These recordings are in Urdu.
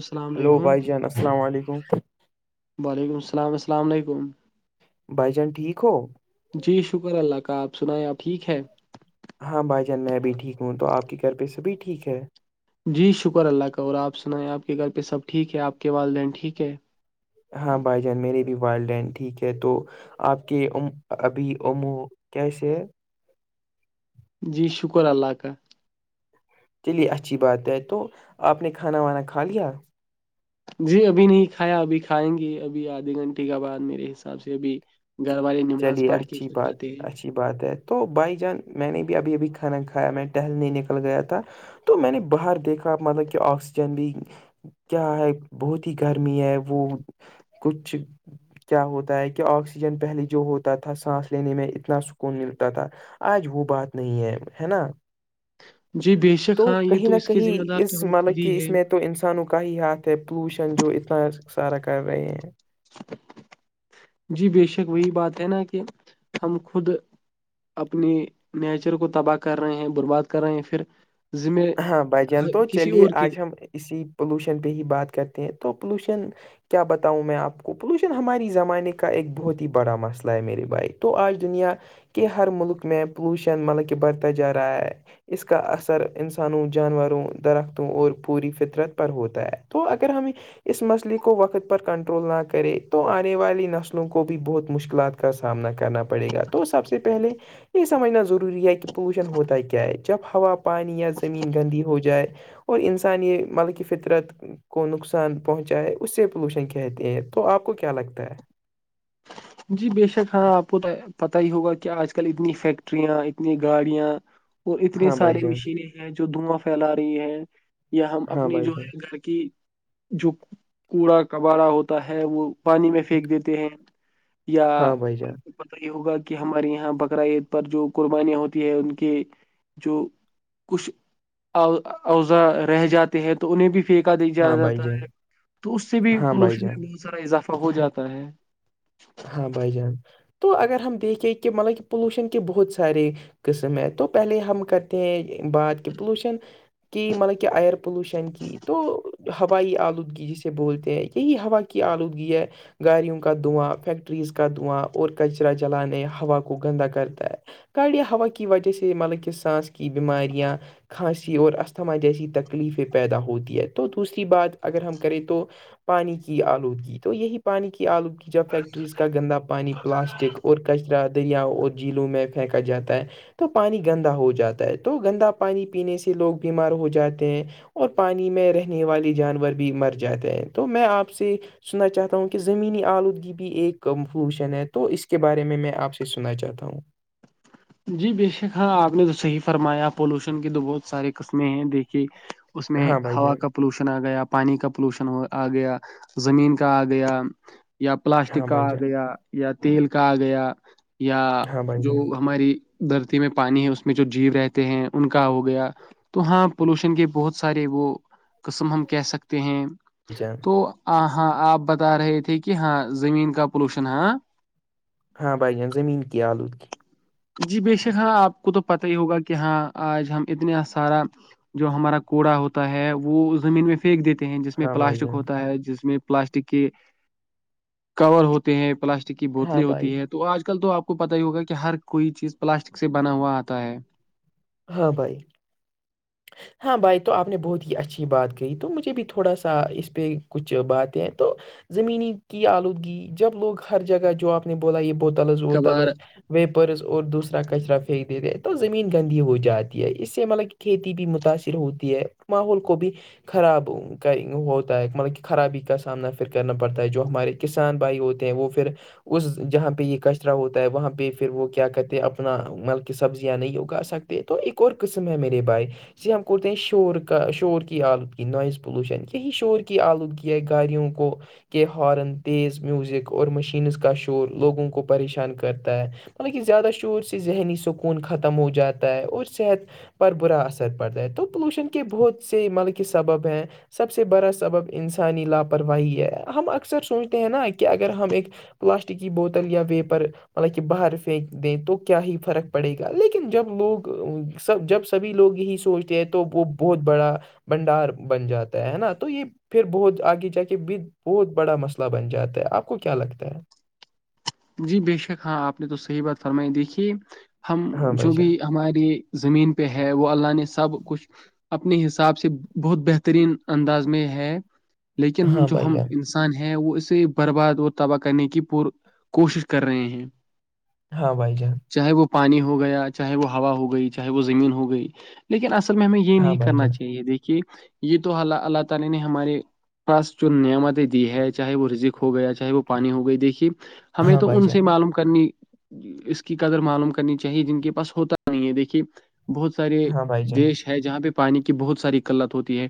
السلام ہیلو علیکم بھائی جان السلام علیکم وعلیکم السلام السلام علیکم بھائی جان ٹھیک ہو جی شکر اللہ کا آپ سنائیں آپ ٹھیک ہے ہاں بھائی جان میں بھی ٹھیک ہوں تو آپ کے گھر پہ سےبھی ٹھیک ہے جی شکر اللہ کاور آپ سنائیں آپ کے گھر پہ سب ٹھیک ہے آپ کے والدین ٹھیک ہے ہاں بھائی جان میرے بھی وائڈین ٹھیک ہے تو آپ کے ا ابھی امو کیسے ہے جی شکر اللہ کا چلیے اچھی بات ہے تو آپ نے کھانا وانا کھا لیا جی ابھی نہیں کھایا ابھی کھائیں گے ابھی آدھے گھنٹے کے بعد میرے حساب سے ابھی گھر والے نماز چلیے پڑھ کے اچھی بات پکاتے ہیں اچھی بات ہے تو بائی جان میں نے بھی ابھی ابھی کھانا کھایا میں ٹہلنے نکل گیا تھا تو میں نے باہر دیکھا مطلب کہ آکسیجن بھی کیا ہے بہت ہی گرمی ہے وہ کچھ کیا ہوتا ہے کہ آکسیجن پہلی جو ہوتا تھا سانس لینے میں اتنا سکون ملتا تھا آج وہ بات نہیں ہے ہے نا جی بے شک تو ہاں یہ کہیں نہ اس کے ذمہ کہیں دار تو اس ہم خود مطلب ہی کہ اس ہے میں تو انسانوں کا ہی ہاتھ ہے پلوشن جو اتنا سارا کر رہے ہیں جی بے شک وہی بات ہے نا کہ ہم خود اپنی نیچر کو تباہ کر رہے ہیں برباد کر رہے ہیں پھر ذمہ ہاں بھائی جان تو کسی چلیے اور کے آج ہم اسی پولوشن پہ ہی بات کرتے ہیں تو پولوشن کیا بتاؤں میں آپ کو پولوشن ہماراری زمانے کا ایک بہت ہی بڑا مسئلہ ہے میرے بھائی تو آج دنیا کہ ہر ملک میں پولوشن مطلب کہ بڑھتا جا رہا ہے اس کا اثر انسانوں جانوروں درختوں اور پوری فطرت پر ہوتا ہے تو اگر ہمیں اس مسئلے کو وقت پر کنٹرول نہ کرے تو آنے والی نسلوں کو بھی بہت مشکلات کا سامنا کرنا پڑے گا تو سب سے پہلے یہ سمجھنا ضروری ہے کہ پولوشن ہوتا ہے کیا ہے جب ہوا پانی یا زمین گندی ہو جائے اور انسان یہ مل کی فطرت کو نقصان پہنچا ہے اس سے پولوشن کہتے ہیں تو آپ کو کیا لگتا ہے جی بے شک ہ آپت ہے پت ہی ہوگا کہ آج کل اتنی فیکٹریاں اتنی گاڑیاں اور اتنی ہاں بھائی سارے جان مشینیں ہیں جو دھواں پھیلا رہی ہیں یا ہم ہاں اپنی بھائی جو جان ہے گھر کی جو کوڑا کباارا ہوتا ہے وہ پانی میں پھینک دیتے ہیں یا ہاں بھائی جان پتا یہ ہوگا کہ ہمارے یہاں بقرا عید پر جو قربانیاں ہوتی ہے ان کے جو کچھ اوضا رہ جاتے ہیں تو انہیں بھی پھینکا دیک جایا ہاں بھائی جاتا جان ہے تو اس سے بھی ہاں بھائی پولوشن جان میں بہت سارا اضافہ ہو جاتا ہے ہاں بھائی جان تو اگر ہم دیکھیں کہ مطلب کہ پولوشن کے بہت سارے قسم ہے تو پہلے ہم کرتے ہیں بات کہ پولوشن کہ مطلب کہ ایئر پولوشن کی تو ہوائی آلودگی جسے بولتے ہیں کہی ہوا کی آلودگی ہے گااریوں کا دعاں فیکٹریز کا دھواں اور کچرا جلانے ہوا کو گندا کرتا ہے کاڑیا ہوا کی وجہ سے مطلب کہ سانس کی بیماریاں کھانسی اور استھما جیسی تکلیفیں پیدا ہوتی ہے تو دوسری بات اگر ہم کریں تو پانی کی آلودگی تو یہی پانی کی آلودگی جب فیک گندا پانی پلاسٹک اور کچرا دریا اور جھیلوں میں پھینکا جاتا ہے تو پانی گندا ہو جاتا ہے تو گندا پانی پینے سے لوگ بیمار ہو جاتے ہیں اور پانی میں رہنے والے جانور بھی مر جاتے ہیں تو میں آپ سے س میں چاہتا ہوں کہ زمین آلودگی بھی ایک فوشن ہے تو اس کے بارے میں میں آپ سے سنا چاہتا ہوں جی بےشک ہاں آپ نے تو صحیح فرمایا پولوشن کی تو بہت سارے قسمیں ہیں دیکھیے اس میں ہاں بھائی ہوا جان کا پولوشن آ گیا پانی کا پولوشن ہو آ گیا زمین کا آ گیا یا پلاسٹک ہاں کا بھائی آ جان گیا یا تیل کا آ گیا یا ہاں بھائی جو جان ہماری دھرتی میں پانی ہے اس میں جو جیو رہتے ہیں ان کا ہو گیا تو ہاں پولوشن کے بہت سارے وہ قسم ہم کہہ سکتے ہیں جچان تو ہاں آپ بتا رہے تھے کہ ہاں زمین کا پولوشن ہاں ہاں بھائی جان زمین کی آلودگ جی بےشک ہاں آپ کو تو پت ہی ہوگا کہ ہاں آج ہم اتنا سارا جو ہمارا کوڑا ہوتا ہے وہ زمین میں پھینک دیتے ہیں جس میں ہاں بھائی پلاسٹک جان ہوتا ہے جس میں پلاسٹک کے کور ہوتے ہیں پلاسٹک کی ہاں بوتلیں بھائی ہوتی ہیں تو آج کل تو آپ کو پتا ہی ہوگا کہ ہر کوئی چیز پلاسٹک سے بنا ہوا آتا ہے ہاں بھائی ہاں بھائی تو آپ نے بہت ہی اچھی بات کہی تو مجھے بھی تھوڑا سا اس پہ کچھ باتیں ہیں تو زمینی کی آلودگی جب لوگ ہر جگہ جو آپ نے بولا یہ بو تلز وہ کبھار تلز ویپرز اور دوسرا کچرا پھینک دیتے تو زمین گندی ہو جاتی ہے اس سے مطلب کھیتی بھی متاثر ہوتی ہے ماحول کو بھی خراب کا ہوتا ہے مطلب کہ خرابی کا سامنا پھر کرنا پڑتا ہے جو ہمارے کسان بھائی ہوتے ہیں وہ پھر اس جہاں پہ یہ کچرا ہوتا ہے وہاں پہ پھر وہ کیا کہتے اپنا مطلک سبزیاں نہیں اگا سکتے تو ایک اور قسم ہے میرے بائے ج ہم کور ت شور کا شور کی آلودگی نائز پولوشن یہ شور کی آلودگی ہے گاڑوں کو کہ ہارن تیز میوزک اور مشینز کا شور لوگوں کو پریشان کرتا ہے مطلب کہ زیادہ شور سے ذہنی سکون ختم ہو جاتا ہے اور صحت پر برا اثر پڑتا ہے تو پلوشن کے بہت سے ملک کے سبب ہیں سب سے بڑا سبب انسانی لاپرواہی ہے ہم اکثر سوچتے ہیں نا کہ اگر ہم ایک پلاسٹک کی بوتل یا پیپر مطلب کہ باہر پھینک دیں تو کیا ہی فرق پڑے گا لیکن جب لوگ سب جب سبھی لوگ یہی سوچتے ہیں تو وہ بہت بڑا بنڈار بن جاتا ہے نا تو یہ پھر بہت آگے جا کے بھی بہت بڑا مسئلہ بن جاتا ہے آپ کو کیا لگتا ہے جی بےشک ہاں آپ نے تو صحیح بات فرمائی دیکھی ہم ہاں بھائی جو بھی جان ہماریے زمین پہ ہے وہ اللہ نے سب کچھ اپنے حساب سے بہت بہترین انداز میں ہے لیکن ہاں جو بھائی ہم جان انسان ہیں وہ اسے برباد اور تباہ کرنے کی پ کوشش کر رہے ہیں ہاں بھائی جان چاہے وہ پانی ہو گیا چاہے وہ ہوا ہو گئی چاہے وہ زمین ہو گئی لیکن اصل میں ہمیں یہ ہاں نہیں بھائی کرنا جان چاہیے دیکھیے یہ تو اللہ اللہ تعالی نے ہمارے خاص جو نعمتیں دی ہے چاہے وہ رزق ہو گیا چاہے وہ پانی ہو گئی دیکھیے ہمیں ہاں تو بھائی ان جان سے معلوم کرنی اس کی قدر معلوم کرنی چاہیے جن کے پاس ہوتا بھی نہیں ہے دیکھیے بہت سارے ہاں بھائی جان دیش ہے جہاں پہ پانی کی بہت ساری قلت ہوتی ہے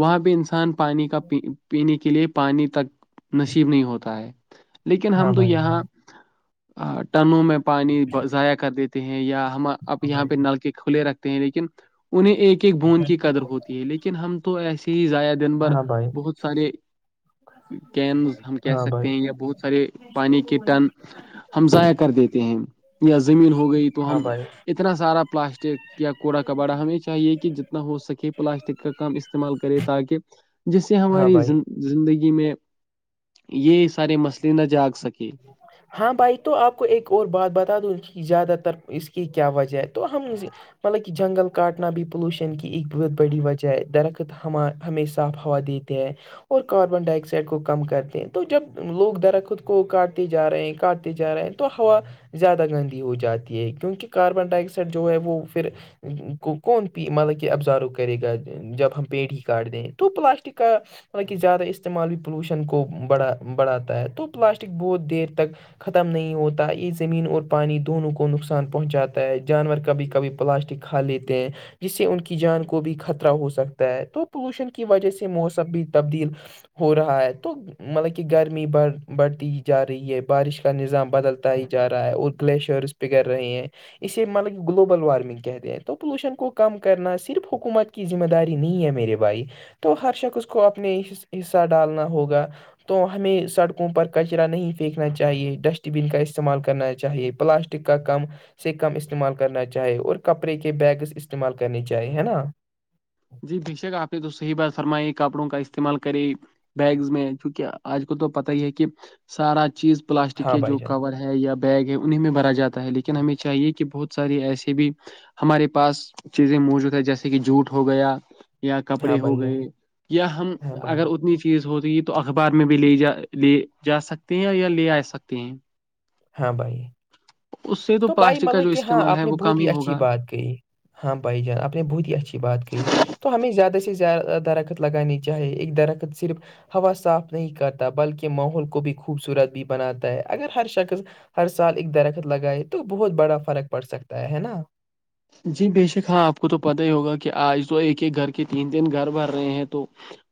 وہاں بھی انسان پانی کا پینے کے لیے پانی تک نصیب نہیں ہوتا ہے لیکن ہاں ہم تو بھائی یہاں ٹنوں میں پانی ضائع کر دیتے ہیں یا ہم اب یہاں پہ جان نل کے کھلے رکھتے ہیں لیکن انہیں ایک ایک بون کی قدر ہوتی ہے لیکن ہم تو ایسے ہی ذایع دن بھر ہاں بھائی ہاں بھائی بہت سارے کینز ہم کہہ ہاں سکتے بھائی ہیں یا بہت سارے کے ٹن ہم ضائع کر دیتے ہیں یا زمین ہو گئی تو ہاں ہم بھائی اتنا سارا پلاسٹک یا کوڑا کباڑا ہمیں چاہیے کہ جتنا ہو سکے پلاسٹک کا کم استعمال کرے تاکہ جس سے ہاں ہماری بھائی۔ زندگی میں یہ سارے مسئلے نہ جاگ سکے ہاں بھائی تو آپ کو ایک اور بات بتا دوں کہ زیادہ تر اس کی کیا وجہ ہے تو ہم مطلب کہ جنگل کاٹنا بھی پولوشن کی ایک بت بڑی وجہ ہے درخت ہمارے ہمیں صاف ہوا دیتے ہیں اور کاربن ڈائی آکسائڈ کو کم کرتے ہیں تو جب لوگ درخت کو کاٹتے جا رہے ہیں کاٹتے جا رہے ہیں تو ہوا زیادہ گندی ہو جاتی ہے کیونکہ کاربن ڈائی آکسائڈ جو ہے وہ پھر ان کو کون پی مطلب کہ ابزرو ب کرے گا جب ہم پیٹر ہی کاٹ دیں تو پلاسٹک کا مطلب کہ زیادہ استعمال بھی پولوشن کو بڑھا بڑھاتا ہے تو پلاسٹک بہت دیر تک ختم نہیں ہوتا یہ زمین اور پانی دونوں کو نقصان پہنچاتا ہے جانور کبھی کبھی پلاسٹک کھالیتے ہے جس سے ان کی جان کو بھی خطرہ ہو سکتا ہے تو پولوشن کی وجہ سے موسم بھی تبدیل ہو رہا ہے تو مطلب کہ گرمی بڑ بڑھتی جا رہی ہے بارش کا نظام بدلتا ہی جا رہا ہے اور گلیشیئرس پگھل رہے ہیں اسے مطلب گلوبل وارمنگ کہتے ہیں تو پولوشن کو کم کرنا صرف حکومت کے کی ذمہ داری نہیں ہے میرے بھائی تو ہر شخص اس کو اپنے حصہ ڈالنا ہوگا تو ہمیں سڑکوں پر کچرا کچرا نہیں پھینکنا چاہیے ڈسٹ بین کا استعمال کرنا چاہیے پلاسٹک کا کم سے کم استعمال کرنا چاہے اور کپڑے کے بیگس استعمال کرنی چاہے ہے نا جی بھشک آپ نے تو صحیح بات فرمائی کپڑوں کا استعمال کریں بیگز میں کیونکہ آج کل تو پتا ہی ہے کہ سارا چیز پلاسٹک ہاں کے بھائی جو جان کور ہے ہے یا بیگ ہے انہیں میں بھرا جاتا ہے لیکن ہمیں چاہیے کہ بہت سارے ایسے بھی ہمارے پاس چیزیں موجود ہے جیسے کہ جھوٹ ہو گیا یا ہاں کپڑے بھائی ہو جان گئے یا ہم ہاں بھائی اگر اتنی چیز ہوتی تو اخبار میں بھی لے جا لے جا سکتے ہیں یا لے آ سکتے ہیں ہاں بھائی اس سے تو بھائی پلاسٹک کا جو مطلب کہ ہاں استعمال ہے آپ نے وہ کم بہت ہی اچھی ہوگا بات کہیں ہاں بھائی جان آپ نے بہت ہی اچھی بات کہیں تو ہمیں زیادہ سے زیادہ درخت لگانی چاہیے ایک درخت صرف ہوا صاف نہیں کرتا بلکہ ماحول کو بھی خوبصورت بھی بناتا ہے اگر ہر شخص ہر سال ایک درخت لگائے تو بہت بڑا فرق پڑ سکتا ہے ہے نا جی بےشک ہاں آپ کو تو پتا ہی ہوگا کہ آج تو ایک ایک گھر کے تین دن گھر بن رہے ہیں تو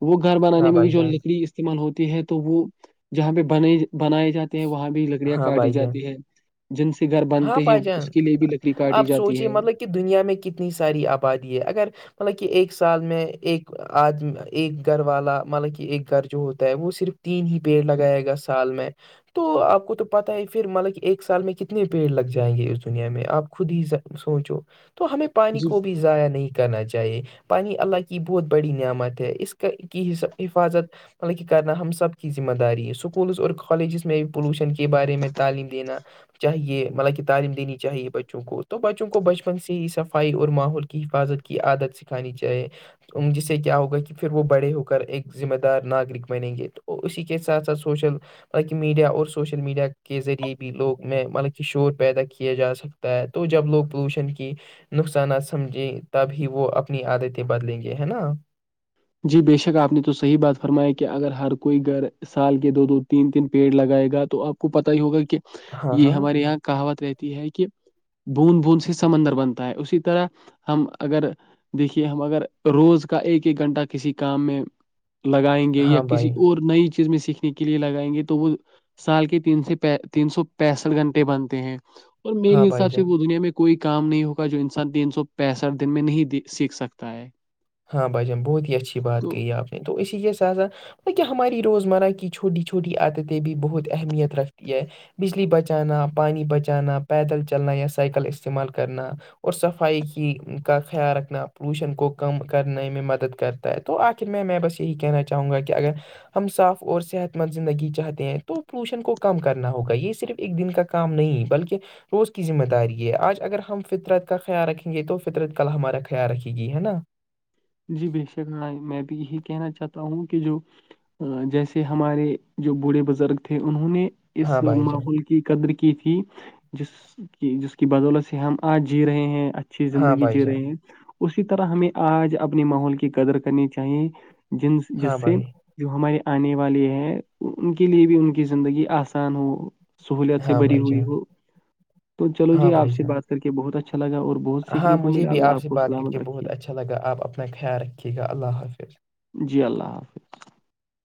وہ گھر بنانے ہاں میں بھی بھائی جو جان لکڑی استعمال ہوتی ہے تو وہ جہاں پہ بنے بنائے جاتے ہیں وہاں بھی لکڑیاں ہاں کاٹی بھائی جان جاتی ہے جن سے گھر ہاں بنتے ہیں بھائی جان اس کے لیے بھی لکڑی کاٹی آپ جاتی سوچیے ہے مطلب کہ دنیا میں کتنی ساری آبادی ہے اگر مطلب کہ ایک سال میں ایک آد ایک گھر والا مطلب کہ ایک گھر جو ہوتا ہے وہ صرف تین ہی پیڑ لگائے گا سال میں تو آپ کو تو پتا ہی پھر مطلب کہ ایک سال میں کنے تنے پیڑ لگ جائیں گے اس دنیا میں آپ خود ہی سوچو تو ہمیں پانی جی کو بھی ضائع نہیں کرنا چاہیے پانی اللہ کی بہت بڑی نعمت ہے اس کا کی حفاظت مطلب کہ کرنا ہم سب کی ذمہ داری ہے اسکولس اور کالجز میں بھی پولوشن کے بارے میں تعلیم دینا چاہیے ملب کہ تعلیم دینی چاہیے بچوں کو تو بچوں کو بچپن سے ہی صفائی اور ماحول کی حفاظت کی عادت سکھانی چاہیے جس سے کیا ہوگا کہ پھر وہ بڑے ہو کر ایک ذمہ دار ناگرک بنیں گے تو اسی کے ساتھ ساتھ سوشل حالہ میڈیا اور سوشل میڈیا کے ذریعے بھی لوگ میں مطلب کہ شور پیدا کیا جا سکتا ہے تو جب لوگ پولوشن کی نقصانات سمجھیں تبھی وہ اپنی عادتیں بدلیں گے ہے نا جی بے شک آپ نے تو صحیح بات فرمایا کہ اگر ہر کوئی گھر سال کے دو دو تین تین پیڑ لگائے گا تو آپ کو پت ہی ہوگا کہ ہاں یہ ہاں ہمارے یہاں کہاوت رہتی ہے کہ بوند بوند سے سمندر بنتا ہے اسی طرح ہم اگر دیکھیے ہم اگر روز کا ایک ایک گھنٹہ کسی کام میں لگائیں گے یا ہاں کسی بھائی اور نئی چیز میں سیکھنے کے لیے لگائیں گے تو وہ سال کے ت سے تین سو پینسٹھ گھنٹے بنتے ہیں اور مے ہاں بھائی حساب سے جان وہ دنیا میں کوئی کام نہیں ہوگا جو انسان تین سو پینسٹھ دن میں نہیں سیکھ سکتا ہے ہاں بھ جان بہت ہی اچھی بات تو کہ آپ نے تو اسی لیے سا سا کیا ہماری روزمرہ کی چھوٹی چھوٹی عادتیں بھی بہت اہمیت رکھتی ہے بجلی بچانا پانی بچانا پیدل چلنا یا سائیکل استعمال کرنا اور صفائی کی کا خیال رکھنا پولوشن کو کم کرنے میں مدد کرتا ہے تو آخر میں میں بس یہی کہنا چاہوں گا کہ اگر ہم صاف اور صحت مند زندگی چاہتے ہیں تو پولوشن کو کم کرنا ہوگا یہ صرف ایک دن کا کام نہیں بلکہ روز کی ذمہ داری ہے آج اگر ہم فطرت کا خیال رکھیں گے تو فطرت ک ہمارا خیال رکھے گی ہے نا جی بے شک میں بھی یہی کہنا چاہتا ہوں کہ جو جیسے ہمارے جو بوڑھے بزرگ تھے انہوں نے ہاں اس بھائی جان ماحول قدر کی تھی جس کی جس کی بدولت سے ہم آج جی رہے ہیں اچھا اچھی ہاں زندگی بھائی جی جان رہے ہیں اسی طرح ہمیں آج اپنے ماحول کی قدر کرنی چاہیے جن ہاں جس سے بھائی جو ہمارے آنے والے ہیں ان کے لیے بھی ان کی زندگی آسان ہو سہولت سے ہاں بری بھائی ہوئی جان ہو تو چلو ہاں جی آپ بھائی سے جان بات کر کے بہت اچھا لگا اور بہت سیکھنے ہاں کو مجھے ملا بھی اللہ آپ سے کو بات کر سلامت کے بہت رکھیے اچھا لگا آپ اپنا خیال رکھیے گا اللہ حافظ جی اللہ حافظ